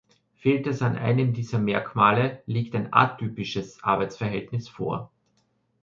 Fehlt es an einem dieser Merkmale, liegt ein atypisches Arbeitsverhältnis vor.